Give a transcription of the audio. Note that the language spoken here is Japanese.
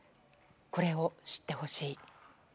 これを知ってほしい。